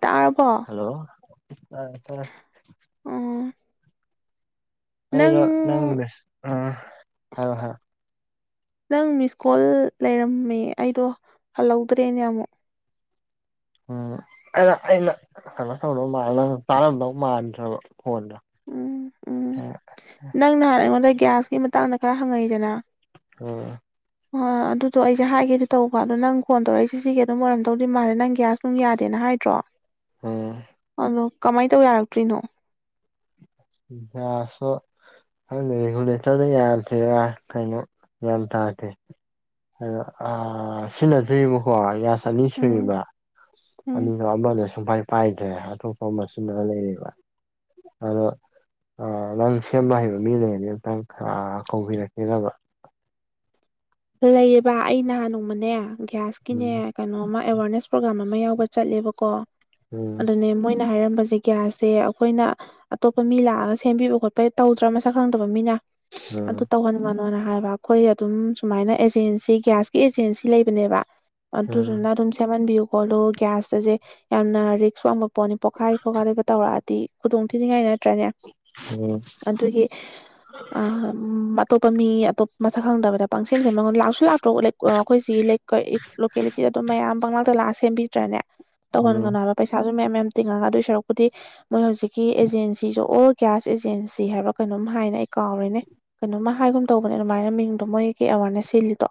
ꯇꯥꯔꯕꯣ ꯍꯜꯂꯣ꯫ ꯇꯥꯔꯦ ꯇꯥꯔꯦ꯫ ꯎꯝ ꯑꯩꯒ ꯅꯪ ꯃꯦꯁꯦꯁ ꯎꯝ ꯍꯥꯏꯌꯣ ꯍꯥꯏꯌꯣ꯫ ꯅꯪ ꯃꯤꯁ ꯀꯣꯜ ꯂꯩꯔꯝꯃꯦ ꯑꯩꯗꯣ ꯍꯜꯍꯧꯗ꯭ꯔꯦꯅꯦ ꯑꯃꯨꯛ꯫ ꯎꯝ ꯑꯩꯗꯣ ꯑꯩꯅ ꯀꯩꯅꯣ ꯇꯧꯗꯧ ꯃꯥꯟ ꯅꯪꯅ ꯇꯥꯔꯝꯗꯧ ꯃꯥꯟꯗ꯭ꯔꯕ ꯐꯣꯟꯗꯣ꯫ ꯎꯝ ꯎꯝ ꯍꯥ꯫ ꯅꯪ ꯅꯍꯥꯟ ꯑꯩꯉꯣꯟꯗ ꯒ꯭ꯌꯥꯁꯀꯤ ꯃꯇꯥꯡꯗ ꯈꯔ ꯍꯪꯉꯛꯏꯗꯅ꯫ ꯑꯥ꯫ ꯍ ꯑꯗꯨꯗꯣ ꯑꯩꯁꯦ ꯍꯥꯏꯒꯦꯗꯤ ꯇꯧꯕ ꯑꯗꯣ ꯅꯪ ꯐꯣꯟ ꯇꯧꯔꯛꯏꯁꯦ ꯁꯤꯒꯤ ꯑꯗꯨꯝ ꯑꯣꯏꯔꯝꯗꯧꯗꯤ ꯃꯥꯜꯂꯦ ꯅꯪ ꯒ꯭ꯌꯥꯁ ꯅꯪ ꯌꯥꯗꯦꯅ ꯍꯥꯏꯗ꯭ꯔꯣ ꯎꯝ ꯑꯗꯣ ꯀꯃꯥꯏꯅ ꯇꯧ ꯌꯥꯔꯛꯇ꯭ꯔꯤꯅꯣ? ꯒ꯭ꯌꯥꯁꯇꯣ ꯈꯪꯗꯦ ꯔꯦꯒꯨꯂꯦꯇꯔꯗ ꯌꯥꯗ꯭ꯔꯤꯔ ꯀꯩꯅꯣ ꯒ꯭ꯌꯥꯟ ꯇꯗꯦ꯫ ꯍꯥꯏꯔꯛꯑꯣ ꯑ ꯁꯤꯅꯗ꯭ꯕꯤꯕꯀꯣ ꯒ꯭ꯌꯥꯁ ꯑꯅꯤ ꯎꯝ ꯁꯨꯏꯕ ꯎꯝ ꯑꯅꯤꯗꯣ ꯑꯃꯅ ꯁꯨꯡꯄꯥꯏ ꯄꯥꯏꯈ꯭ꯔꯦ ꯑ ꯇꯣꯞꯄ ꯑꯃ ꯁꯤꯖꯤꯅ ꯂꯩꯔꯦꯕ ꯑꯗꯣ ꯑ ꯅꯪ ꯁꯦꯝꯕ ꯍꯩꯕ ꯃꯤ ꯂꯩꯔꯅꯤ ꯑꯃꯨꯛꯇꯪ ꯀꯧꯕꯤꯔꯛꯀꯦꯔꯕ꯫ ꯂꯩꯌꯦꯕ ꯑꯩ ꯅꯍꯥꯟ ꯅꯣꯡꯃꯅꯦ ꯒ꯭ꯌꯥꯁꯀꯤꯅꯦ ꯎꯝ ꯀꯩꯅꯣ ꯑꯃ ꯑꯦꯋꯥꯔꯅꯦꯁ ꯄ꯭ꯔꯣꯒ꯭ꯔꯥꯝ ꯑꯃ ꯌꯥꯎꯕ ꯆꯠꯂꯦꯕꯀꯣ ꯎꯝ ꯑꯗꯨꯅꯦ ꯃꯣꯏ ꯑꯩꯅ ꯍꯥꯏꯔꯝꯕꯁꯦ ꯒ꯭ꯌꯥꯁꯁꯦ ꯑꯈꯣꯏꯅ ꯑꯇꯣꯞꯄ ꯃꯤ ꯂꯥꯛꯑꯒ ꯁꯦꯝꯕꯤꯕ ꯈꯣꯠꯄ ꯇꯧꯗ꯭ꯔꯥ ꯃꯁꯛ ꯈꯪꯗꯕ ꯃꯤꯅ ꯎꯝ ꯑꯗꯨ ꯇꯧꯍꯟꯒꯅꯣꯅ ꯍꯥꯏꯕ ꯑꯈꯣꯏ ꯑꯗꯨꯝ ꯁꯨꯃꯥꯏꯅ ꯑꯦꯖꯦꯟꯁꯤ ꯒ꯭ꯌꯥꯁꯀꯤ ꯑꯦꯖꯦꯟꯁꯤ ꯂꯩꯕꯅꯦꯕ ꯎꯝ ꯑꯗꯨꯗꯨꯅ ꯑꯗꯨꯝ ꯁꯦꯝꯍꯟꯕꯤꯌꯨ ꯈꯣꯠꯂꯨ ꯒ꯭ꯌꯥꯁꯇꯁꯦ ꯌꯥꯝꯅ ꯔꯤꯛꯁꯁ ꯋꯥꯡꯕ ꯄꯣꯠꯅꯤ ꯄꯣꯈꯥꯏ ꯈꯣꯈꯥꯏ ꯂꯩꯕ ꯇꯧꯔꯛꯑꯗꯤ ꯗꯤ ꯈꯨꯗꯣꯡ ꯊꯤꯅꯤꯡꯉꯥꯏ ꯅꯠꯇ꯭ꯔꯅꯦ ꯎꯝ ꯑꯗꯨꯒꯤ ꯑ ꯎꯝ ꯑꯇꯣꯞꯄ ꯃꯤ ꯑꯇꯣꯞꯄ ꯃꯁꯛ ꯈꯪꯗꯕꯗ ꯄꯪꯁꯦꯝ ꯁꯦꯝꯍꯟꯒꯅꯨ ꯂꯥꯛꯁꯨ ꯂꯥꯛꯇ꯭ꯔꯣ ꯑꯈꯣꯏ ꯁꯤꯒꯤ ꯂꯩ ꯂꯣꯀꯦꯂꯤꯇꯤꯗ ꯑꯗꯨꯝ ꯃꯌꯥꯝ ꯄꯪꯂꯥꯛꯇ ꯂꯥꯛꯑ ꯁꯦꯝꯕꯤꯗ꯭ꯔꯅꯦ ꯎꯝ ꯇꯧꯍꯟꯒꯅꯨ ꯍꯥꯏꯕ ꯄꯩꯁꯥꯁꯨ ꯃꯌꯥꯝ ꯃꯌꯥꯝ ꯇꯤꯡꯉꯒ ꯑꯗꯨꯏ ꯁꯔꯨꯛꯄꯗꯤ ꯃꯣꯏ ꯍꯧꯖꯤꯛꯀꯤ ꯑꯦꯖꯦꯟꯁꯤꯁꯨ ꯑꯣꯜ ꯒ꯭ꯌꯥꯁ ꯑꯦꯖꯦꯟꯁꯤ ꯍꯥꯏꯕ ꯀꯩꯅꯣꯝ ꯍꯥꯏꯅꯦ ꯑꯩ ꯀꯥꯎꯔꯦꯅꯦ ꯀꯩꯅꯣꯝꯃ ꯍꯥꯏꯒꯨꯝ ꯇꯧꯕꯅꯦ ꯑꯗꯨꯃꯥꯏꯅ ꯃꯤꯡꯗꯣ ꯃꯣꯏ ꯑꯦꯋꯥꯔꯅꯦꯁ ꯁꯤꯜꯂꯤꯗꯣ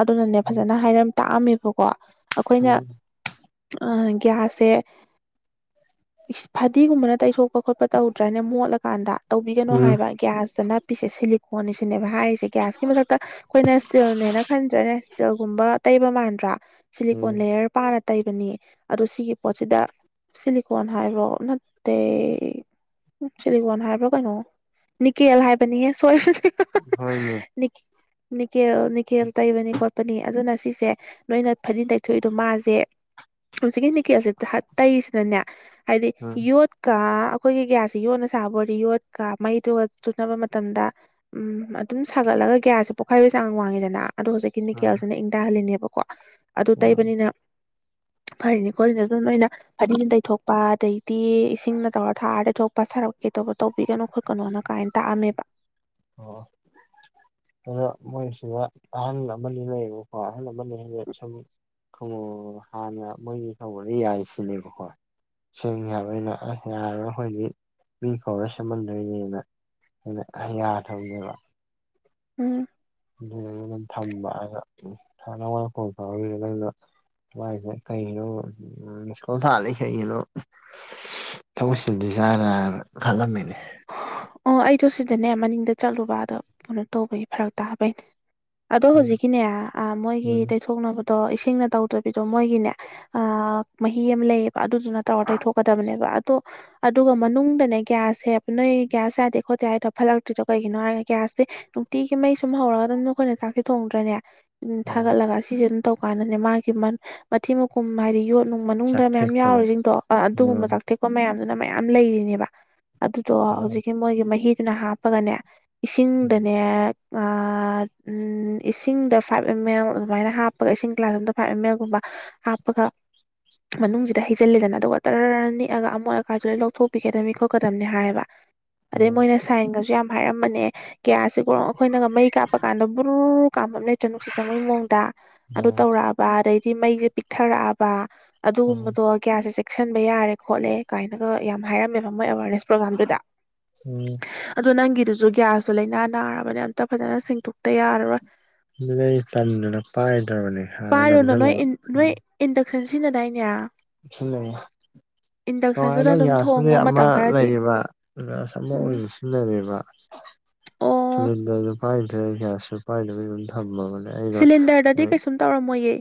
ꯑꯗꯨꯅꯅꯦ ꯐꯖꯅ ꯍꯥꯏꯔꯝ ꯇꯥꯛꯑꯝꯃꯦꯕꯀꯣ ꯑꯈꯣꯏꯅ ꯎꯝ ꯑꯥ ꯒ꯭ꯌꯥꯁꯁꯦ ꯐꯗꯤꯒꯨꯝꯕꯅ ꯇꯩꯊꯣꯛꯄ ꯈꯣꯠꯄ ꯇꯧꯗ꯭ꯔꯥꯅ ꯃꯣꯠꯂꯀꯥꯟꯗ ꯇꯧꯕꯤꯒꯅꯨ ꯎꯝ ꯍꯥꯏꯕ ꯒ꯭ꯌꯥꯁꯇ ꯅꯞꯄꯤꯁꯦ ꯁꯤꯂꯤꯀꯣꯟꯅꯤꯁꯤꯅꯦꯕ꯫ ꯍꯥꯏꯔꯤꯁꯦ ꯒ꯭ꯌꯥꯁꯀꯤ ꯃꯊꯛꯇ ꯑꯩꯈꯣꯏꯅ ꯏꯁꯇꯤꯜꯅꯦꯅ ꯈꯟꯗ꯭ꯔꯦꯅꯦ ꯏꯁꯇꯤꯜꯒꯨꯝꯕ ꯇꯩꯕ ꯃꯥꯟꯗ꯭ꯔꯥ꯫ ꯆꯂꯤꯀꯣꯟ ꯎꯝ ꯂꯩꯌꯔ ꯄꯥꯅ ꯇꯩꯕꯅꯤ ꯑꯗꯨ ꯁꯤꯒꯤ ꯄꯣꯠꯁꯤꯗ ꯁꯤꯂꯤꯀꯣꯟ ꯍꯥꯏꯕ꯭ꯔꯣ ꯅꯠꯇꯦ꯫ ꯁꯤꯂꯤꯒꯣꯟ ꯍꯥꯏꯕ꯭ꯔ ꯀꯩꯅꯣ ꯅꯤꯀꯦꯜ ꯍꯥꯏꯕꯅꯤꯍꯦ ꯁꯣꯏꯕꯅꯤ꯫ ꯍꯣꯔꯦꯟꯅꯦ꯫ ꯅꯤꯀꯦꯜ ꯅꯤꯀꯦꯜ ꯇꯩꯏꯕꯅꯤ ꯈꯣꯠ ꯄꯅꯤ ꯑꯗꯨꯅ ꯁꯤꯁꯦ ꯅꯣꯏꯅ ꯐꯗꯤ ꯇꯩꯊꯣꯛꯏꯗꯣ ꯃꯥꯁꯦ ꯍꯧꯖꯤꯛꯀꯤ ꯅꯤꯛ ꯀꯦꯁꯁꯦ ꯇꯩꯁꯤꯅꯅꯦ ꯍꯥꯏꯗꯤ ꯎꯝ ꯌꯣꯠ ꯌꯣꯠꯀ ꯑꯩꯈꯣꯏꯒꯤ ꯒ꯭ꯌꯥꯁꯁꯤ ꯌꯣꯅ ꯁꯥꯕ ꯑꯣꯏꯗꯤ ꯌꯣꯠꯀ ꯃꯩꯗꯨꯒ ꯆꯨꯅꯕ ꯃꯇꯝꯗ ꯎꯝ ꯑꯗꯨꯝ ꯁꯥꯒꯠꯂꯒ ꯒ꯭ꯌꯥꯁꯁꯦ꯫ ꯄꯣꯛꯈꯥꯏꯕ ꯆꯥꯡ ꯋꯥꯡꯉꯤꯗꯅ ꯑꯗꯣ ꯍꯧꯖꯤꯛꯀꯤ ꯎꯝ ꯅꯤꯀꯦꯜꯁꯤꯅ ꯏꯪꯊꯍꯜꯂꯤꯅꯦꯕꯀꯣ ꯑꯗꯨ ꯎꯝ ꯇꯩꯕꯅꯤꯅ ꯐꯔꯤꯅꯤ ꯈꯣꯠꯂꯤꯅ ꯑꯗꯨ ꯅꯣꯏꯅ ꯐꯗꯤꯅ ꯇꯩꯊꯣꯛꯄ ꯑꯗꯩ ꯇꯤ ꯏꯁꯤꯡꯅ ꯇꯧꯔ ꯊꯥꯔꯗꯤ ꯊꯣꯛꯄ ꯁꯔꯛ ꯀ ꯇꯧꯕ ꯇꯧꯕꯤꯒꯅꯣ ꯈꯣꯠꯀꯅꯣꯅ ꯀꯥꯏꯅ ꯇꯥꯛꯑꯝꯃꯦꯕ ꯑꯣ ꯑꯗꯥ ꯃꯣꯏꯁꯤꯗ ꯑꯍꯜ ꯑꯃꯅꯤ ꯂꯩꯌꯦꯕꯀꯣ ꯑꯍꯜ ꯑꯃꯅꯤ ꯍꯥꯏꯁꯦ ꯁꯨꯝ ꯈꯣꯡꯉ ꯍꯥꯟꯅ ꯃꯣꯏꯒꯤ ꯇꯧꯕꯗ [unintelligible] ꯅꯦꯕꯀꯣ ꯁꯦꯝꯒꯦ ꯍꯥꯢꯕ ꯑꯩꯅ ꯌꯥꯔꯣꯏ ꯑꯩꯈꯣꯢꯗ ꯃꯤ ꯀꯧꯔ ꯁꯦꯝꯍꯟꯗꯣꯏꯅꯦꯅ ꯑꯩꯅ ꯌꯥꯗꯕꯅꯤꯕ ꯎꯝ ꯑꯗꯨ ꯑꯗꯨꯝ ꯊꯝꯕ ꯑꯩꯅ [unintelligible] [unintelligible] [unintelligible] ꯃꯥꯢꯁꯦ ꯀꯩꯅꯣ [unintelligible] [unintelligible] ꯀꯒꯤꯅꯣ ꯇꯧꯁꯤꯟꯕꯤꯁꯤꯔꯥꯅ ꯈꯜꯂꯝꯃꯤꯅꯦ ꯑꯣ ꯑꯩꯗꯣ ꯁꯤꯗꯅꯦ ꯃꯅꯤꯡꯗ ꯆꯠꯂꯨꯕ ꯑꯗꯣ ꯀꯩꯅꯣ ꯇꯧꯕꯒꯤ ꯐꯔꯛ ꯇꯥꯕꯩꯅꯦ ꯑꯗꯣ ꯎꯝ ꯍꯧꯖꯤꯛꯀꯤꯅꯦ ꯃꯣꯏꯒꯤ ꯎꯝ ꯇꯩꯊꯣꯛꯅꯕ ꯑꯗꯣ ꯏꯁꯤꯡꯅ ꯇꯧꯗꯕꯤꯗꯣ ꯃꯣꯏꯒꯤꯅꯦ ꯑꯥ ꯃꯍꯤ ꯑꯃ ꯂꯩ ꯑꯗꯨꯗꯨꯅ ꯇꯧꯔ ꯇꯩꯊꯣꯛꯀꯗꯕꯅꯦꯕ ꯑꯗꯣ ꯑꯗꯨꯒ ꯃꯅꯨꯡꯗꯅꯦ ꯒ꯭ꯌꯥꯁꯁꯦ ꯅꯣꯏ ꯀ꯭ꯌꯥꯁ ꯌꯥꯗꯦ ꯈꯣꯠꯇꯦ ꯍꯥꯢꯗꯣ ꯐꯥꯠꯂꯛꯇ꯭ꯔꯤꯗꯣ ꯀꯔꯤꯒꯤꯅꯣ ꯍꯥꯢꯕ ꯀ꯭ꯌꯥꯁ ꯁꯦ ꯅꯨꯡꯇꯤꯒꯤ ꯃꯩ ꯁꯨꯝ ꯍꯧꯔꯒ ꯑꯗꯨꯝ ꯑꯩꯈꯣꯏꯅ ꯆꯥꯛꯁꯦ ꯊꯣꯡꯗ꯭ꯔꯅꯦ ꯑꯗꯨꯝ ꯑ ꯊꯥꯒꯠꯂꯒ ꯑꯁꯤꯁꯦ ꯑꯗꯨꯝ ꯇꯧꯀꯥꯟꯗꯅꯦ ꯃꯥꯒꯤ ꯃꯊꯤ ꯃꯀꯨꯝ ꯍꯥꯏꯗꯤ ꯌꯣꯠ ꯅꯨꯡ ꯃꯅꯨꯡꯗ ꯃꯌꯥꯝ ꯁꯥꯊꯦꯛꯄꯗꯣ ꯌꯥꯎꯔꯤꯁꯤꯡꯗꯣ ꯑꯗꯨꯒꯨꯝꯕ ꯎꯝ ꯆꯥꯛꯊꯦꯛꯄ ꯃꯌꯥꯝꯗꯨꯅ ꯃꯌꯥꯝ ꯂꯩꯔꯤꯅꯦꯕ ꯇꯣ ꯍꯧꯖꯤꯛꯀꯤ ꯃꯣꯏꯒꯤ ꯃꯍꯤꯗꯨꯅ ꯍꯥꯞꯄꯒꯅꯦ ꯏꯁꯤꯡꯗꯅꯦ ꯑꯥ ꯎꯝ ꯏꯁꯤꯡꯗ ꯐꯥꯏꯚ ꯑꯦꯝ ꯑꯦꯜ ꯑꯗꯨꯃꯥꯏꯅ ꯍꯥꯞꯄꯒ ꯏꯁꯤꯡ ꯒ꯭ꯂꯥꯁ ꯑꯃꯗ ꯐꯥꯏꯚ ꯑꯦꯝ ꯑꯦꯜꯒꯨꯝꯕ ꯍꯥꯞꯄꯒ ꯃꯅꯨꯡꯁꯤꯗ ꯍꯩꯖꯤꯜꯂꯦꯗꯅ ꯑꯗꯨꯒ ꯇꯔꯥꯔ ꯅꯤꯛꯑꯒ ꯑꯃꯛ ꯑꯀꯥꯏꯗꯧ ꯂꯧꯊꯣꯛꯄꯤꯒꯗꯕꯅꯤ ꯈꯣꯠꯀꯗꯝꯕꯅꯤ ꯍꯥꯏꯕ ꯑꯗꯩ ꯃꯣꯏꯅ ꯁꯥꯏꯟꯒꯁꯨ ꯌꯥꯝ ꯍꯥꯏꯔꯝꯕꯅꯦ ꯀ꯭ꯌꯥꯁꯤ ꯀꯣ ꯑꯩꯈꯣꯏꯅꯒ ꯃꯩ ꯀꯥꯞꯄ ꯀꯥꯟꯗ ꯕꯨ꯭ꯔꯨ ꯀꯥꯝꯕ ꯑꯃ ꯂꯩꯇ꯭ꯔꯥ ꯅꯨꯡꯁꯤꯠ ꯆꯪꯕꯩ ꯃꯑꯣꯡꯗ ꯑꯗꯨ ꯇꯧꯔꯛꯑꯕ ꯑꯗꯩꯗꯤ ꯃꯩꯁꯦ ꯄꯤꯛꯊꯔꯛꯑꯕ ꯑꯗꯨꯒꯨꯝꯕꯗꯣ ꯀ꯭ꯌꯥꯁꯦ ꯆꯦꯛꯁꯤꯟꯕ ꯌꯥꯔꯦ ꯈꯣꯠꯂꯦ ꯀꯥꯏꯅꯒ ꯌꯥꯝꯅ ꯍꯥꯏꯔꯝꯃꯦꯕ ꯃꯣꯏ ꯑꯦꯋꯥꯔꯅꯦꯁ ꯄ꯭ꯔꯣꯒ꯭ꯔꯝ ꯎꯝ ꯑꯗꯣ ꯅꯪꯒꯤꯗꯨꯁꯨ ꯀ꯭ꯌꯥꯁꯇꯨ ꯂꯩꯅꯥ ꯅꯥꯔꯕꯅꯤ ꯑꯝꯇ ꯐꯖꯅ ꯁꯦꯡꯇꯣꯛꯇ ꯌꯥꯔꯔꯣꯏ ꯥꯑꯗꯨꯅ ꯑꯩ ꯇꯥꯟꯗꯅ ꯄꯥꯏꯗ꯭ꯔꯕꯅꯦ ꯍꯥꯟꯅ ꯄꯥꯏꯔꯨꯅꯨ ꯅꯣꯏ ꯅꯝꯁꯤꯜꯂꯒ ꯅꯣꯏ ꯏꯟꯗꯛꯁꯟ ꯁꯤꯖꯤꯟꯅꯗꯥꯏꯅꯦ ꯁꯤꯖꯤꯟꯅꯩꯌꯦ ꯑꯗꯣ ꯏꯟꯗꯛꯁꯟꯗꯨꯅ ꯇꯣꯉꯥꯟꯕ ꯑꯗꯨꯝ ꯒ꯭ꯌꯥꯁꯁꯨꯗꯤ ꯊꯣꯡꯉꯣ ꯑꯃ ꯃꯇꯝ ꯈꯔꯗꯤ ꯂꯩꯌꯦꯕ ꯑꯃ ꯎꯝ ꯑꯣꯏꯅ ꯁꯤꯖꯤꯟꯅꯕꯅꯦꯕ ꯑꯣ ꯁꯤꯂꯤꯟꯗꯔꯗꯨ ꯄꯥꯏꯗ꯭ꯔꯦ ꯒ꯭ꯌꯥꯁꯁꯨꯨ ꯄꯥꯏꯗꯕꯤ ꯑꯗꯨꯝ ꯊꯝꯃꯕꯅꯤ ꯁꯤꯂꯤꯟꯗꯔꯗꯗꯤ ꯀꯩꯁꯨꯝ ꯇꯧꯔꯝꯃꯣꯏꯌꯦ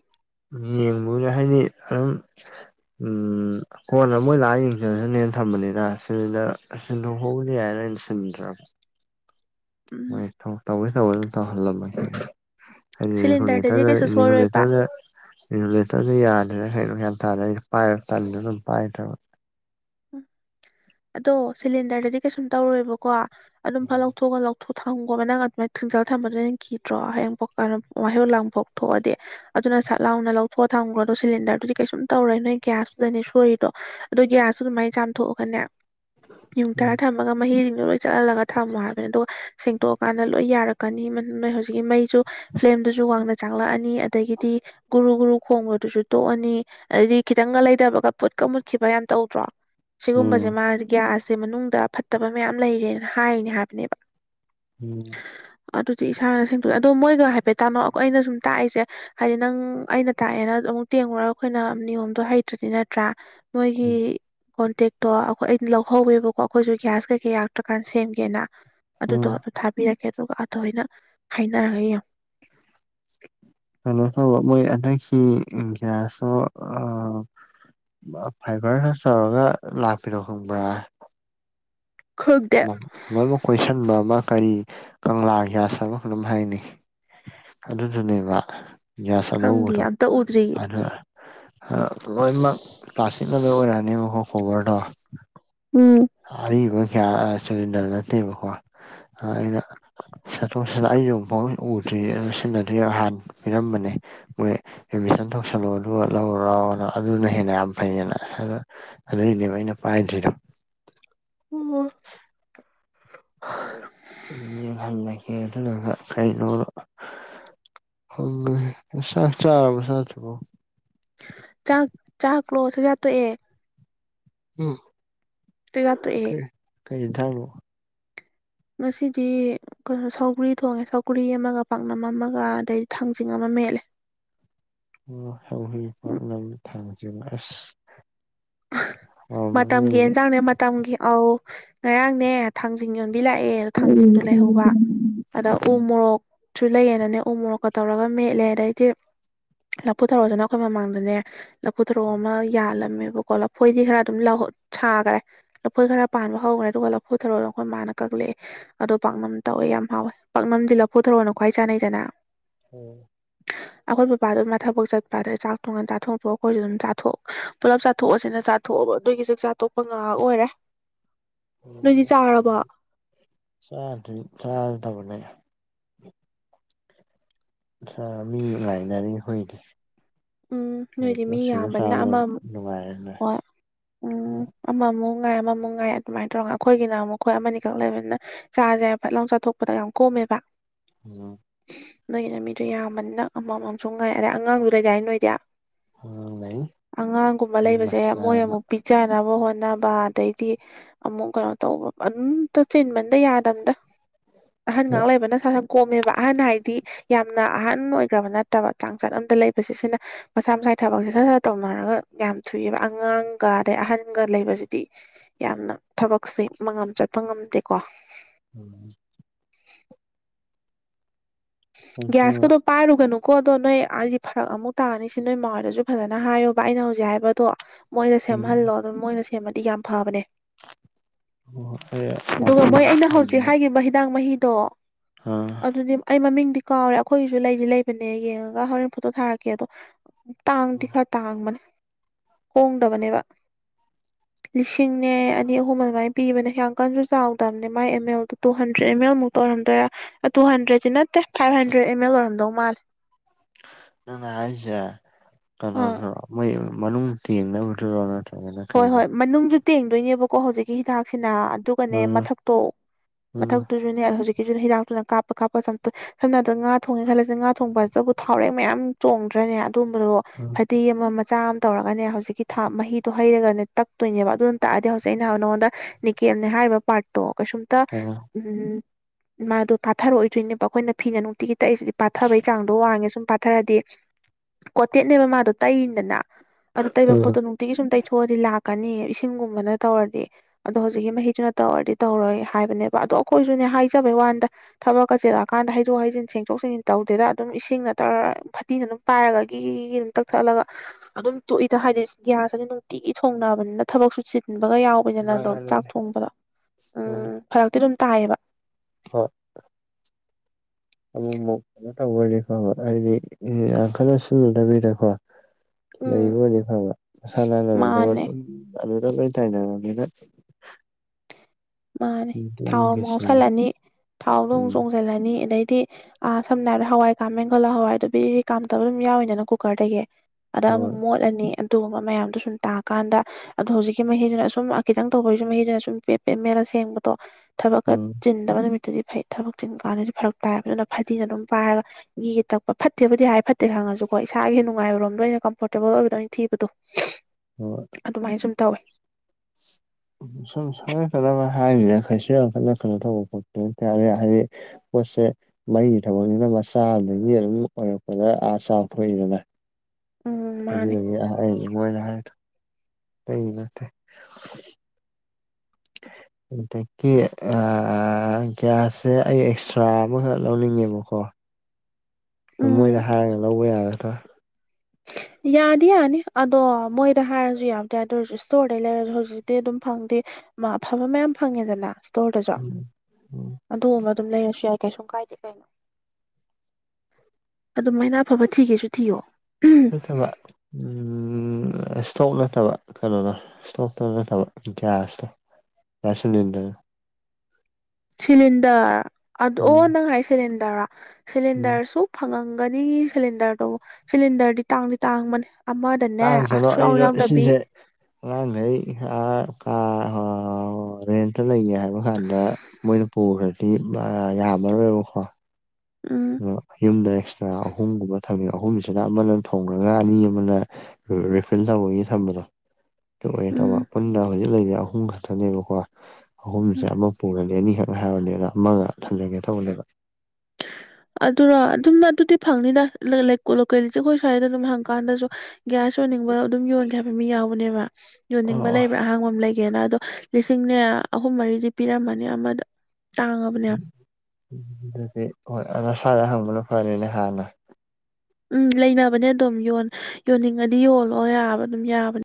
ꯌꯦꯡꯕꯅꯦ ꯍꯥꯏꯗꯤ ꯑꯗꯨꯝ ꯎꯝ ꯀꯣꯟꯅ ꯃꯣꯏ ꯂꯥꯛꯑ ꯌꯦꯡꯖꯖꯅꯤꯅ ꯊꯝꯕꯅꯤꯗ ꯁꯤꯂꯤꯟꯗꯔ ꯁꯤꯟꯗꯣꯛ ꯍꯧꯕꯗꯤ ꯌꯥꯏꯗ ꯑꯩꯅ ꯁꯤꯟꯗ꯭ꯔꯕ ꯎꯝ ꯃꯣꯏ [unintelligible] [unintelligible] ꯑꯗꯨꯝ ꯇꯧꯍꯜꯂꯝꯕꯅꯦ ꯍꯥꯏꯗꯤ ꯁꯤꯂꯤꯟꯗꯔꯗꯗꯤ ꯔꯤꯒꯨꯂꯦꯇꯔꯗ ꯀꯩꯁꯨ ꯁꯣꯏꯔꯣꯏꯕ ꯔꯤꯒꯨꯂꯦꯇꯔꯗ ꯔꯤꯒꯨꯂꯦꯇꯔꯗꯨ ꯌꯥꯗ꯭ꯔꯤꯔꯥ ꯈꯪꯗꯦ ꯒ꯭ꯌꯥꯟ ꯇꯥꯗꯦ ꯑꯩꯁꯨ ꯄꯥꯏꯗꯧ ꯇꯥꯟꯅ ꯑꯗꯨꯝ ꯄꯥꯏꯗ꯭ꯔꯕꯥ ꯑꯗꯣ ꯁꯤꯂꯤꯟꯗꯔꯗꯗꯤ ꯀꯩꯁꯨꯝ ꯇꯧꯔꯣꯏꯕꯀꯣ ꯑꯗꯨꯝ ꯐꯠ ꯂꯧꯊꯣꯛꯑꯒ ꯂꯧ ꯊꯥꯡꯒꯣꯕ ꯅꯪ ꯑꯗꯨꯃꯥꯏꯅ ꯊꯤꯡꯖꯤꯟꯂ ꯊꯝꯕꯗꯨꯅ ꯅꯪ ꯀꯤꯗ꯭ꯔꯣ ꯍꯌꯦꯡ ꯄꯣꯛ ꯃꯩꯍꯧ ꯂꯥꯡꯄꯣꯛ ꯊꯣꯛꯑꯗꯤ ꯑꯗꯨꯅ ꯁꯠ ꯂꯥꯎꯅ ꯂꯧꯊꯣꯛꯑ ꯊꯝꯈ꯭ꯔꯣꯗꯣ ꯁꯤꯂꯤꯟꯗꯔꯗꯨꯗꯤ ꯀꯩꯁꯨꯝ ꯇꯧꯔꯣꯢ ꯅꯣꯏ ꯒ꯭ꯌꯥꯁꯇꯨꯗꯅꯦ ꯁꯣꯏꯔꯤꯗꯣ ꯑꯗꯣ ꯒ꯭ꯌꯥꯁꯗꯨ ꯑꯗꯨꯃꯥꯏꯅ ꯆꯥꯝꯊꯣꯛꯑꯒꯅꯦ ꯌꯨꯡꯊꯔ ꯎꯝ ꯊꯝꯃꯒ ꯃꯍꯤꯁꯤꯡꯗꯣ ꯂꯣꯏ ꯆꯠꯍꯜꯂꯒ ꯊꯝꯃꯣ ꯍꯥꯏꯕꯅꯤ ꯑꯗꯨꯒ ꯁꯦꯡꯇꯣꯛꯑꯀꯥꯟꯗ ꯂꯣꯏ ꯌꯥꯔꯛꯀꯅꯤ ꯅꯣꯏ ꯍꯧꯖꯤꯛꯀꯤ ꯃꯩꯖꯨ ꯐ꯭ꯂꯦꯝꯗꯨꯁꯨ ꯋꯥꯡꯅ ꯆꯥꯛꯂꯛꯑꯅꯤ ꯑꯗꯒꯤꯗꯤ ꯒꯨꯔꯨ ꯒꯨꯔꯨ ꯈꯣꯡꯕꯗꯨꯁꯨ ꯇꯣꯛꯑꯅꯤ ꯑꯗꯩꯗꯤ ꯈꯤꯇꯪꯒ ꯂꯩꯗꯕꯒ ꯄꯨꯨꯠꯀ ꯃꯨꯠꯈꯤꯕ ꯌꯥꯝ ꯇꯧꯗ꯭ꯔꯣ꯫ ꯎꯝ ꯁꯤꯒꯨꯝꯕꯁꯦ ꯃꯥꯁꯦ ꯒ꯭ꯌꯥꯁꯁꯦ ꯃꯅꯨꯡꯗ ꯐꯠꯇꯕ ꯃꯌꯥꯝ ꯂꯩꯔꯦꯅ ꯍꯥꯏꯔꯤꯅꯦ ꯍꯥꯏꯕꯅꯦꯕ꯫ ꯎꯝ꯫ ꯑꯗꯨꯗꯤ ꯏꯁꯥꯅ ꯁꯦꯡꯗꯣꯛꯑꯦ ꯑꯗꯣ ꯃꯣꯏꯒ ꯍꯥꯏꯐꯦꯠ ꯇꯥꯅꯧ ꯑꯩꯅ ꯁꯨꯝ ꯇꯥꯛꯏꯁꯦ ꯍꯥꯏꯗꯤ ꯅꯪ ꯑꯩꯅ ꯇꯥꯛꯑꯦꯅ ꯑꯃꯨꯛ ꯇꯦꯡꯉꯨꯔꯒ ꯑꯩꯈꯣꯏꯅ ꯅꯤꯌꯣꯝꯗꯣ ꯍꯩꯇ꯭ꯔꯗꯤ ꯅꯠꯇ꯭ꯔꯥ ꯃꯣꯏꯒꯤ ꯎꯝ ꯀꯣꯟꯇꯦꯛ ꯇꯣ ꯑꯩꯈꯣꯏ ꯑꯩꯅ ꯂꯧꯍꯧꯋꯦꯕꯀꯣ ꯑꯩꯈꯣꯏꯁꯨ ꯒ꯭ꯌꯥꯁ ꯀꯩꯀꯩ ꯌꯥꯛꯇ꯭ꯔꯀꯥꯟ ꯁꯦꯝꯒꯦꯅ ꯎꯝ ꯑꯗꯨꯗꯣ ꯑꯗꯨ ꯊ ꯄꯤꯔꯛꯀꯦ ꯑꯗꯨꯒ ꯑꯗ ꯑꯣꯏꯅ ꯍꯥꯏꯅꯔꯒ ꯌꯦꯡꯉꯨ꯫ ꯀꯩꯅꯣ ꯇꯧꯕ ꯃꯣꯏ ꯑꯗꯨꯒꯤ ꯒ꯭ꯌꯥꯁꯇꯣ ꯑ ꯐꯥꯏꯕꯔꯅ ꯇꯧꯔꯒ ꯂꯥꯛꯄꯤꯗꯣ ꯈꯪꯕ꯭ꯔꯥ꯫ ꯈꯡ ꯂꯣꯏꯃꯛ ꯀꯣꯏꯁꯟꯕ ꯑꯃ ꯀꯔꯤ ꯀꯪꯂꯥ ꯒ꯭ꯌꯥꯁ ꯑꯃ ꯀꯩꯅꯣꯝ ꯍꯥꯏꯅꯦ꯫ ꯑꯗꯨꯗꯨꯅꯦꯕ ꯒ꯭ꯌꯥꯁ ꯈꯪꯗꯤꯌꯦ ꯑꯅꯧꯕꯗꯣ ꯑꯝꯇ ꯎꯗ꯭ꯔꯤꯌꯦ ꯑꯗꯨ ꯑ ꯂꯣꯏꯃꯛ ꯄ꯭ꯂꯥꯥꯁꯇꯤꯛꯅ ꯂꯣꯏ ꯑꯣꯏꯔꯛꯑꯅꯦꯕꯀꯣ ꯀꯣꯕꯔꯗꯣ꯫ ꯎꯝ꯫ ꯑꯔꯤꯕ ꯒ꯭ꯌꯥꯁ ꯁꯤꯂꯤꯟꯗꯔ ꯅꯠꯇꯦꯕꯀꯣ ꯑꯩꯅ ꯁꯇꯣꯁꯅ ꯑꯩ ꯑꯃꯨꯛꯐꯥꯎ ꯎꯗ꯭ꯔꯤꯌꯦ ꯑꯗꯨ ꯁꯤꯖꯤꯟꯅꯗ꯭ꯔꯤꯌꯦ ꯅꯍꯥꯟ ꯄꯤꯔꯝꯕꯅꯦ꯫ ꯃꯣꯏ ꯑꯦꯠꯃꯤꯁꯟ ꯇꯧꯁꯜꯂꯣ ꯑꯗꯨꯒ ꯂꯧꯔꯣ ꯂꯥꯎꯅ ꯑꯗꯨꯅ ꯍꯦꯟꯅ ꯌꯥꯝ ꯐꯩꯌꯦꯅ ꯑꯗꯨ ꯑꯗꯨꯅꯦꯕ ꯑꯩꯅ ꯄꯥꯏꯗ꯭ꯔꯤꯗꯣ꯫ ꯑꯣ꯫ [unintelligible] ꯀꯩꯅꯣ [unintelligible] ꯆꯥꯛ ꯆꯥꯔꯕꯣ ꯆꯥꯗꯔꯤꯕꯣ꯫ ꯆꯥꯛ ꯆꯥꯛꯂꯣ ꯆꯥꯛꯆꯥ ꯇꯣꯛꯑꯦ꯫ ꯎꯝ꯫ ꯆꯥꯛꯆꯥ ꯇꯣꯛꯑꯦ꯫ ꯀꯩ ꯀꯩ ꯏꯟꯖꯥꯡꯅꯣ꯫ ꯉꯁꯤꯗꯤ ꯀꯩꯅꯣ ꯁꯧꯒ꯭ꯔꯤ ꯊꯣꯡꯉꯦ ꯁꯧꯒ꯭ꯔꯤ ꯑꯃꯒ ꯄꯥꯛꯅꯝ ꯑꯃꯒ ꯑꯗꯩ ꯊꯥꯡꯖꯤꯡ ꯑꯃ ꯃꯦꯠꯂꯦ꯫ ꯑꯣ ꯁꯧꯒꯔꯤ ꯄꯥꯛꯅꯝ ꯊꯥꯡꯖꯤꯡ ꯑꯁ꯫ ꯃꯇꯝꯒꯤ ꯍꯥꯎꯔꯝꯃꯅꯤꯅꯦ ꯑꯦꯟꯖꯥꯡꯅꯦ ꯃ ꯃꯇꯝꯒꯤ ꯑꯧ ꯉꯔꯥꯡꯅꯦ ꯊꯥꯡꯖꯤꯡ ꯌꯣꯟꯕꯤ ꯂꯥꯛꯑꯦ ꯊꯥꯡꯖꯤꯡꯗꯨ ꯂꯩꯍꯧꯕ [unintelligible] ꯑꯗ ꯎ ꯃꯣꯔꯣꯛꯁꯨ ꯂꯩꯌꯦꯅꯅꯦ ꯎ ꯃꯣꯔꯣꯛꯀ ꯇꯧꯔꯒ ꯃꯦꯠꯂꯦ ꯑꯗꯩꯗꯤ ꯂꯐꯨ ꯊꯔꯣꯗꯨꯅ ꯑꯩꯈꯣꯏ ꯃꯃꯥꯡꯗꯅꯦ ꯂꯐꯨ ꯊꯔꯣ ꯑꯃ ꯌꯥꯜꯂꯝꯃꯦꯕ ꯀꯣ ꯂꯐꯣꯏꯗꯤ ꯈꯔ ꯑꯗꯨꯝ ꯂꯧ ꯁꯥꯒꯔꯦ꯫ ꯂꯐꯣꯏ ꯈꯔ ꯄꯥꯟꯕ ꯍꯧꯒ꯭ꯔꯦ ꯑꯗꯨꯒ ꯂꯐꯨ ꯊꯔꯣꯗ ꯑꯩꯈꯣꯏ ꯃꯥꯅ ꯀꯛꯂꯛꯑꯦ ꯑꯗꯣ ꯄꯥꯛꯅꯝ ꯇꯧꯋꯦ ꯌꯥꯝ ꯍꯥꯎꯋꯦ ꯄꯥꯛꯅꯝꯗꯤ ꯂꯐꯨ ꯊꯔꯛꯑꯣꯅ ꯈ꯭ꯋꯥꯏ ꯆꯥꯅꯩꯗꯅ꯫ ꯎꯝ꯫ ꯑꯩꯈꯣꯏ ꯕꯕꯥꯗꯨ ꯃ ꯥꯊꯕꯛ ꯆꯠꯄ ꯑꯗꯩ ꯆꯥꯛ ꯉꯇꯥꯟ ꯊꯣꯡꯗꯣꯛꯒ ꯑꯩꯈꯣꯏꯁꯨ ꯑꯗꯨꯝ ꯆꯥꯊꯣꯛ ꯄꯨꯂꯞ ꯆꯥ ꯆꯥꯊꯣꯛꯑꯁꯤꯅ ꯆꯥꯊꯣꯛꯑꯕ ꯑꯗꯨꯒꯤ ꯆꯥꯛꯆꯥ ꯇꯣꯛꯄ ꯉꯍꯥꯛ ꯑꯣꯏꯔꯦ꯫ ꯅꯣꯏꯗꯤ ꯑꯣ ꯑꯁ ꯆꯥꯔꯕꯣ ꯑꯩꯗꯤ ꯆꯥꯗ꯭ꯔꯤ ꯆꯥꯔꯗꯧꯕꯅꯦ꯫ [unintelligible] ꯃꯤ ꯉꯥꯏꯅꯔꯤ ꯑꯈꯣꯏꯗꯤ꯫ ꯎꯝ ꯅꯣꯏꯗꯤ ꯃꯤ ꯑꯁꯨꯔꯥ ꯌꯥꯝꯕꯅꯤꯅ ꯆꯕꯔꯣꯏ ꯑꯃꯃꯨꯛ ꯅꯨꯡꯉꯥꯏꯌꯦꯅꯦ ꯍꯣꯏ ꯎꯝ ꯑꯃꯃꯨꯛ ꯉꯥꯏ ꯑꯃꯃꯨꯛ ꯉꯥꯏ ꯑꯗꯨꯃꯥꯏꯅ ꯇꯧꯔꯒ ꯑꯩꯈꯣꯏꯒꯤꯅ ꯑꯃꯨꯛ ꯃꯈꯣꯏ ꯑꯃꯅꯤ ꯑꯈꯛ ꯂꯩꯕꯅꯤꯅ ꯆꯥꯁꯦ ꯐꯠ ꯂꯥꯎ ꯆꯥꯊꯣꯛꯄꯗ ꯌꯥꯝ ꯀꯣꯝꯃꯦꯕ ꯑꯃꯁꯨꯍꯪ ꯅꯣꯏꯒꯤꯅ ꯃꯤꯗꯣ ꯌꯥꯝꯕꯅꯤꯅ ꯑꯃꯃꯁꯨ ꯉꯥꯏ ꯑꯗꯩ ꯑꯉꯥꯡꯗꯨ ꯂꯩꯗꯥꯏ ꯅꯣꯏꯗꯤ ꯑꯉꯥꯡ ꯂꯩ ꯑꯉꯥꯡꯒꯨꯝꯕ ꯑꯉꯥꯡ ꯂꯩꯕꯁꯦ ꯃꯆꯥ ꯃꯣꯏ ꯑꯃ ꯑꯃꯨꯛ ꯄꯤ ꯆꯥꯅꯕ ꯍꯣꯠꯅꯕ ꯑꯗꯩꯗꯤ ꯑꯃꯨꯛ ꯀꯩꯅꯣ ꯇꯧꯕ ꯑꯗꯨꯝꯇ ꯆꯤꯟꯕꯟꯗ ꯌꯥꯗ ꯑꯝꯗ ꯑꯍꯟ ꯉꯥꯛ ꯂꯩꯕꯅ ꯁꯥ ꯁꯟ ꯀꯣꯝꯃꯦꯕ ꯑꯍꯟ ꯍꯥꯏꯗꯤ ꯌꯥꯝꯅ ꯑꯍꯟ ꯑꯣꯏꯈ꯭ꯔꯕ ꯅꯠꯇꯕ ꯆꯥꯡ ꯆꯠ ꯑꯝꯗ ꯂꯩꯕꯁꯦ ꯁꯤꯅ ꯃꯁꯥ ꯃꯁꯥꯒꯤ ꯊꯕꯛꯁꯦ ꯁꯠ ꯁꯠ ꯇꯧꯅꯔꯒ ꯌꯥꯝ ꯊꯨꯏꯑꯕ ꯑꯉꯥꯡꯒ ꯑꯗꯩ ꯑꯍꯟꯒ ꯂꯩꯕꯁꯤꯗꯤ ꯌꯥꯝꯅ ꯊꯕꯛꯁꯦ ꯃꯉꯥꯝ ꯆꯠꯄ ꯉꯝꯗꯦꯀꯣ ꯎꯝ ꯑꯗꯨ ꯒꯦꯏꯁ ꯀꯗꯣ ꯄꯥꯏꯔꯨꯒꯅꯨꯀꯣ ꯑꯗꯣ ꯅꯣꯏ ꯑꯩꯜꯗꯤ ꯐꯔꯛ ꯑꯃꯨꯛ ꯇꯥꯔꯅꯤꯁꯤ ꯅꯣꯏ ꯃꯉꯍꯣꯏꯗꯁꯨ ꯐꯖꯅ ꯍꯥꯏꯌꯣꯕ ꯑꯩꯅ ꯍꯧꯖꯤꯛ ꯍꯥꯏꯕꯗꯣ ꯃꯣꯏꯅ ꯁꯦꯝꯍꯜꯂꯣ ꯑꯗꯨꯅ ꯃꯣꯏꯅ ꯁꯦꯝꯃꯗꯤ ꯌꯥꯝ ꯐꯕꯅꯦ ꯑꯗꯨꯒ ꯃꯣꯏ ꯑꯩꯅ ꯍꯧꯖꯤꯛ ꯍꯥꯏꯒꯤꯕ ꯍꯤꯗꯛ ꯃꯍꯤꯗꯣ ꯍꯥ ꯑꯗꯨꯗꯤ ꯑꯩ ꯃꯃꯤꯡꯗꯤ ꯀꯥꯎꯔꯦ ꯑꯩꯈꯣꯏꯒꯤꯁꯨ ꯂꯩꯗꯤ ꯂꯩꯕꯅꯦ ꯌꯦꯡꯉꯒ ꯍꯣꯔꯦꯟ ꯐꯣꯇꯣ ꯊꯥꯔꯛꯀꯦ ꯑꯗꯣ ꯇꯥꯡꯗꯤ ꯈꯔ ꯇꯥꯡꯕꯅꯦ ꯍꯣꯡꯗꯕꯅꯦꯕ ꯂꯤꯁꯤꯡꯅꯦ ꯑꯅꯤ ꯑꯍꯨꯝ ꯑꯗꯨꯃꯥꯏꯅ ꯄꯤꯕꯅꯦ ꯍꯡ ꯀꯟꯁꯨ ꯆꯥꯎꯗꯕꯅꯦ ꯃꯥꯏ ꯑꯦꯝ ꯑꯦꯜꯗꯣ ꯇꯨ ꯍꯟꯗ꯭ꯔꯦꯗ ꯑꯦꯝ ꯑꯦꯜ ꯃꯨꯛꯇ ꯇꯧꯍꯅꯗꯔꯦ ꯑꯇꯨꯍꯅꯗ꯭ꯔꯦꯠꯇꯤ ꯅꯠꯇꯦ ꯐꯥꯏꯚ ꯍꯟꯗ꯭ꯔꯦꯗ ꯑꯦꯝ ꯑꯦꯜ ꯑꯣꯏꯔꯝꯗꯧ ꯃꯥꯜꯂꯦ ꯅꯪꯅ ꯍꯥꯏꯁꯦ ꯑꯥ ꯀꯩꯅꯣꯗꯣ ꯃꯣꯏ ꯃꯅꯨꯡꯗ ꯊꯦꯡꯅꯕꯗꯨꯔꯣꯟꯠ ꯍꯣꯏ ꯍꯣꯏ ꯃꯅꯨꯡꯁꯨ ꯇꯦꯡꯗꯣꯏꯅꯦꯕꯀꯣ ꯍꯧꯖꯤꯛꯀꯤ ꯍꯤꯗꯥꯛꯁꯤꯅ ꯑꯗꯨ ꯄꯅꯦ ꯎꯝ ꯃꯊꯛꯇꯣ ꯎꯝ ꯃꯊꯛꯇꯨꯁꯨꯅꯦ ꯍꯧꯖꯤꯛꯀꯤꯁꯨꯅꯤ ꯍꯤꯗꯥꯛꯇꯨꯅ ꯀꯥꯞꯄ ꯀꯥꯞꯄ ꯆꯅ ꯇꯨꯏ ꯍꯅꯥꯗꯨ ꯉꯥ ꯊꯣꯡꯉꯦ ꯈꯜꯂꯁꯦ ꯉꯥ ꯊꯣꯡꯕꯆꯕꯨꯠ ꯊꯥꯎꯔꯦꯛ ꯃꯌꯥꯝ ꯆꯣꯡꯗ꯭ꯔꯅꯦ ꯑꯗꯨꯒꯨꯝꯕꯗꯣ ꯎꯝ ꯐꯗꯤ ꯑꯃ ꯃꯆꯥ ꯑꯃ ꯇꯧꯔꯒꯅꯦ ꯍꯧꯖꯤꯛꯀꯤ ꯊ ꯃꯍꯤ ꯇꯣ ꯍꯩꯔꯒꯅꯦ ꯇꯛꯇꯣꯏꯅꯦꯕ ꯑꯗꯨꯅ ꯇꯥꯛꯑꯗꯤ ꯍꯧꯖꯤꯛ ꯑꯩꯅ ꯍꯥꯎ ꯅꯉꯣꯟꯗ ꯅꯤꯀꯦꯝꯅꯦ ꯍꯥꯏꯔꯤꯕ ꯄꯥꯔꯠꯇꯣ ꯀꯩꯁꯨꯝ ꯇ ꯎꯝ ꯎꯝ ꯃꯥꯗꯣ ꯄꯥꯊꯔꯛꯑꯣꯏꯗꯣꯏꯅꯦꯕ ꯑꯩꯈꯣꯏꯅ ꯐꯤꯅ ꯅꯨꯡꯇꯤꯒꯤ ꯇꯛꯏꯁꯤꯗꯤ ꯄꯥꯊꯕꯩ ꯆꯥꯡꯗꯣ ꯋꯥꯡꯉꯦ ꯁꯨꯝ ꯄꯥꯊꯔꯗꯤ ꯀꯣꯇꯦꯠꯅꯦꯕ ꯃꯥꯗꯣ ꯇꯩꯔꯤꯗꯅ ꯑꯗꯨ ꯇꯩꯕ ꯎꯝ ꯄꯣꯠꯇꯣꯅꯨ ꯇꯤꯒꯤ ꯁꯨꯝ ꯇꯩꯊꯣꯛꯑꯗꯤ ꯂꯥꯛꯀꯅꯤ ꯏꯁꯤꯡꯒꯨꯝꯕꯅ ꯇꯧꯔꯗꯤ ꯑꯗꯣ ꯍꯧꯖꯤꯛꯀꯤ ꯃꯍꯤꯗꯨꯅ ꯇꯧꯔꯗꯤ ꯇꯧꯔꯣꯏ ꯍꯥꯏꯕꯅꯦꯕ ꯑꯗꯣ ꯑꯩꯈꯣꯏꯁꯨꯅꯦ ꯍꯥꯏꯖꯕꯩ ꯋꯥꯟꯗ ꯊꯕꯛꯀ ꯆꯦꯜꯂꯛꯑꯀꯥꯟꯗ ꯍꯩꯗꯣꯛ ꯍꯩꯖꯤꯟ ꯁꯦꯡꯗꯣꯛ ꯁꯦꯡꯖꯤꯟ ꯇꯧꯗꯦꯗ ꯑꯗꯨꯝ ꯏꯁꯤꯡꯅꯠꯇꯔ ꯐꯗꯤꯅ ꯑꯗꯨꯝ ꯇꯥꯏꯔꯒꯒꯤꯒꯤ ꯑꯗꯨꯝ ꯇꯛꯊꯠꯂꯒ ꯑꯗꯨꯝ ꯇꯣꯛꯏꯗ ꯍꯥꯏꯗꯤ ꯒ꯭ꯌꯥꯁ ꯑꯅꯤ ꯅꯨꯡꯇꯤꯒꯤ ꯊꯣꯡꯅꯕꯅꯤꯅ ꯊꯕꯛꯁꯨ ꯆꯤꯟ ꯕꯒ ꯌꯥꯎꯕꯅꯤꯅ ꯑꯗꯨꯝ ꯃꯥꯅꯤꯅꯦ ꯆꯥꯛ ꯊꯣꯡꯕꯗꯣ ꯎꯝ ꯐꯔꯛꯇꯤ ꯑꯗꯨꯝ ꯇꯥꯏꯌꯦꯕ ꯍꯣꯏ ꯑꯃꯨꯛꯨꯛ ꯀꯩꯅꯣ ꯇꯧꯕꯑꯣꯏꯗꯤ ꯐꯕꯥ ꯍꯥꯏꯗꯤ ꯑꯦꯑ ꯈꯅꯅꯥ ꯁꯤꯟꯗꯔꯒꯗꯀꯣ ꯎꯝ ꯂꯩꯕ ꯑꯣꯏꯗꯤ ꯐꯕ ꯁꯡꯉꯥꯒꯂꯩꯗꯧꯕ ꯃꯥꯅꯦ ꯁꯨꯃ ꯂꯩꯗꯧꯕ ꯂꯣꯏ ꯇꯥꯏꯅꯔꯃꯤꯅꯥ ꯃꯥꯅꯦ ꯊꯥꯎ ꯑꯃꯨꯛ ꯎꯝ ꯉꯥꯎꯁꯜꯂꯅꯤ ꯊꯥꯎꯗꯣ ꯑꯃꯨꯛ ꯆꯣꯡꯁꯤꯜꯂꯅꯤ ꯑꯗꯩꯗꯤ ꯑ ꯁꯝꯅ ꯍꯥꯏꯔꯕꯗ ꯍꯋꯥꯏ ꯀꯥꯝ ꯃꯦꯟ ꯈꯜꯂꯣ ꯍꯋꯥꯏꯗꯨ ꯕꯔꯤ ꯔꯤ ꯀꯥꯝꯗꯕ ꯑꯗꯨꯝ ꯌꯥꯎꯏꯗꯅ ꯀꯨꯀꯔꯗꯒꯤ ꯑꯗ ꯑꯃꯨꯛ ꯍꯣꯏ ꯃꯣꯠꯂꯅꯤ ꯑꯗꯨꯒꯨꯝꯕ ꯃꯌꯥꯝꯗꯣ ꯁꯨꯝ ꯇꯥꯛꯑꯀꯥꯟꯗ ꯑꯗꯣ ꯍꯧꯖꯤꯛꯀꯤ ꯃꯍꯤꯗꯨꯅ ꯁꯨꯝ ꯈꯤꯇꯪ ꯇꯧꯕꯒꯤꯁꯨ ꯃꯍꯤꯗꯨꯅ ꯁꯨꯝ ꯄꯅ ꯑꯦꯝ ꯃꯦꯔ ꯁꯦꯡꯕꯗꯣ ꯊꯕꯛꯀ ꯎꯝ ꯆꯤꯟꯗꯕ ꯅꯨꯃꯤꯠꯇꯗꯤ ꯐꯩ ꯊꯕꯛ ꯆꯤꯟ ꯀꯥꯟꯗꯗꯤ ꯐꯔꯛ ꯇꯥꯏꯑꯕ ꯑꯗꯨꯅ ꯐꯗꯤꯅ ꯑꯗꯨꯝ ꯄꯥꯏꯔꯒ ꯒꯤꯒꯤ ꯇꯛꯄ ꯐꯠꯇꯦꯕꯨꯗꯤ ꯍꯥꯏ ꯐꯠꯇꯦ ꯈꯪꯉꯖꯨꯀꯣ ꯏꯁꯥꯒꯤ ꯅꯨꯡꯉꯥꯏꯕꯔꯣꯝꯗꯣ ꯑꯣꯏꯅ ꯀꯝꯐꯣꯔꯠꯇꯦꯕꯜ ꯑꯣꯏꯕꯗꯣ ꯑꯣꯏꯟ ꯊꯤꯕꯗꯣ [unintelligible] ꯑꯗꯨꯃꯥꯏꯟ ꯁꯨꯝ ꯇꯧꯋꯦ [inaudible] ꯁꯨꯝ [unintelligible] ꯐꯅꯕ ꯍꯥꯏꯅꯤꯗ ꯀꯩꯁꯨ ꯌꯥꯝ ꯀꯟꯅ ꯀꯩꯅꯣ ꯇꯧꯕ ꯄꯣꯠꯇꯣ [unintelligible] ꯍꯥꯏꯗꯤ ꯄꯣꯠꯁꯦ ꯃꯩꯒꯤ ꯊꯕꯛꯅꯤꯅ ꯃꯆꯥꯝꯗꯒꯤ ꯑꯗꯨꯝ ꯑꯣꯏꯔꯛꯄꯗ ꯑ ꯆꯥꯎꯊꯣꯛꯏꯗꯅ ꯎꯝ ꯃꯥꯅꯦ ꯑꯗꯨꯗꯒꯤ ꯑ ꯑꯩ ꯃꯣꯏꯅ ꯍꯥꯔꯛꯇꯣ ꯇꯩꯒꯤ ꯅꯠꯇꯦ [unintelligible] ꯑꯗꯨꯗꯒꯤ ꯑ ꯒ꯭ꯌꯥꯁꯁꯦ ꯑꯩ ꯑꯦꯛꯁꯇ꯭ꯔꯥ ꯑꯃꯒ ꯂꯧꯅꯤꯡꯉꯦꯕꯀꯣ ꯗꯨꯝ ꯎꯝ ꯃꯣꯏꯗ ꯍꯥꯏꯔꯒ ꯂꯧꯕ ꯌꯥꯒꯇ꯭ꯔꯥ ꯌꯥꯗꯤ ꯌꯥꯅꯤ ꯑꯗꯣ ꯃꯣꯏꯗ ꯍꯥꯏꯔꯖꯨ ꯌꯥꯕꯨꯗꯤ ꯌꯥꯏ ꯑꯗꯨꯑꯣꯏꯔꯖꯨ ꯏꯁꯇꯣꯔꯗꯩ ꯂꯩꯔꯖꯨ ꯍꯧꯖꯤꯛꯇꯤ ꯑꯗꯨꯝ ꯐꯪꯗꯦ ꯃꯥ ꯑꯐꯕ ꯃꯌꯥꯝ ꯐꯪꯉꯦꯗꯅ ꯏꯁꯇꯣꯔꯗꯖꯨ ꯑꯗꯣꯕ ꯑꯗꯨꯝ ꯂꯩꯔꯁꯨ ꯌꯥꯏ ꯀꯩꯁꯨꯝ ꯀꯥꯏꯗꯦ ꯀꯩꯅꯣ ꯑꯗꯨꯝꯃꯥꯏꯟꯅ ꯑꯐꯕ ꯊꯤꯒꯦꯁꯨ ꯊꯤꯌꯣ ꯅꯠꯇꯕ ꯎꯝ ꯁꯇꯣꯛ ꯂꯠꯇꯕ ꯀꯩꯅꯣꯗꯣ ꯏꯁꯇꯣꯛꯇꯣ ꯅꯠꯇꯕ ꯒ꯭ꯌꯥꯁꯇꯣ ꯒ꯭ꯌꯥꯁ ꯁꯤꯂꯤꯟꯗ꯭ꯔ ꯁꯤꯂꯤꯟꯗꯔ ꯑꯗꯣ ꯑꯣ ꯎꯝ ꯅꯪ ꯍꯥꯏꯁ ꯁꯤꯂꯤꯟꯗꯔꯔꯣ ꯎꯝ ꯁꯤꯂꯤꯟꯗꯔꯁꯨ ꯐꯪꯉꯝꯒꯅꯤ ꯁꯤꯂꯤꯟꯗꯔꯗꯣ ꯁꯤꯂꯤꯟꯗꯔꯗꯤ ꯇꯥꯡꯗꯤ ꯇꯥꯡꯕꯅꯦ ꯑꯃ ꯇꯥꯡꯁꯅꯣ ꯑꯩꯩꯗꯣ ꯁꯤꯖꯦ ꯑꯉꯡꯒꯩ ꯑ ꯀ ꯍꯣ ꯔꯦꯟꯇ ꯂꯩꯒꯦ ꯍꯥꯏꯕ ꯀꯥꯟꯗ ꯃꯣꯏꯅ ꯄꯨꯒꯔꯗꯤ ꯌꯥꯝꯃꯔꯣꯏꯕꯀꯣ ꯎꯝ ꯌꯨꯝꯗ ꯑꯦꯛꯁꯇ꯭ꯔꯥ ꯑꯍꯨꯝꯒꯨꯝꯕ ꯊꯝꯃꯦ ꯑꯍꯨꯝꯁ ꯁꯤꯅ ꯑꯃꯂꯣꯏꯝ ꯊꯣꯡꯒ꯭ꯔꯒ ꯑꯅꯤ ꯑꯃꯅ ꯔꯤꯐꯤꯜ ꯇꯧꯕꯒꯤ ꯊꯝꯕꯗꯣ [unintelligible] ꯇꯕ ꯎꯝ ꯄꯨꯟꯗ ꯍꯧꯖꯤꯛ ꯂꯩꯖꯦ ꯑꯍꯨꯝ ꯈꯠꯇꯅꯦꯕꯀꯣ ꯎꯝ ꯑꯍꯨꯝꯁꯦ ꯑꯃ ꯄꯨꯔꯅꯤ ꯔꯃꯤ ꯍꯦꯛ ꯍꯥꯏꯔꯕꯅꯦꯅ ꯑꯃꯒ ꯊꯝꯖꯟꯒꯦ ꯇꯧꯕꯅꯦꯕ [inaudible] ꯑꯗꯨꯔꯣ ꯑꯗꯨꯝꯅ ꯑꯗꯨꯗꯤ ꯐꯪꯅꯤꯗ ꯂ ꯂꯩꯀꯣ ꯂꯣꯀꯦꯜꯂꯤꯆꯤ ꯑꯈꯣꯏ ꯁ꯭ꯋꯥꯏꯗ ꯑꯗꯨꯝ ꯍꯪꯀꯥꯟꯗꯖꯨ ꯒ꯭ꯌꯥꯁ ꯌꯣꯟꯅꯤꯡꯕ ꯑꯗꯨꯝ ꯌꯣꯟꯒꯦ ꯍꯥꯏꯕ ꯃꯤ ꯌꯥꯎꯕꯅꯦꯕ ꯌꯣꯟꯅꯤꯡꯕ ꯑꯣ ꯂꯩꯕ꯭ꯔꯥ ꯑꯍꯥꯡꯕ ꯑꯝ ꯂꯩ ꯒꯦꯅ ꯑꯗꯣ ꯂꯤꯁꯤꯡꯅꯦ ꯑꯍꯨꯝ ꯃꯔꯤꯗꯤ ꯄꯤꯔꯝꯃꯅꯤ ꯑꯃꯗ ꯇꯥꯡꯉꯕꯅꯦ ꯑꯗꯨꯗꯤ ꯍꯣꯏ ꯑꯗ ꯁꯥꯗ ꯍꯪꯕꯅ ꯐꯅꯤꯅꯦ ꯍꯥꯟꯅ ꯎꯝ ꯂꯩꯅꯕꯅꯦ ꯑꯗꯨꯝ ꯌꯣꯟ ꯌꯣꯟꯅꯤꯡꯉꯗꯤ ꯌꯣꯜꯂꯣ ꯌꯥꯕ ꯑꯗꯨꯝ ꯌꯥꯕꯅꯦ